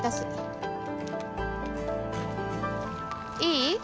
いい？